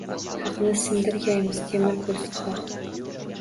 Haqni sindirgaymiz temir bo‘lsa xoh